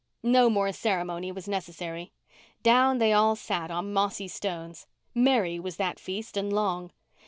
No more ceremony was necessary. Down they all sat on mossy stones. Merry was that feast and long.